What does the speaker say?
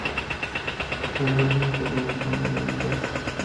اتڼ ځوانانو ته د نظم او یووالي درس ورکوي.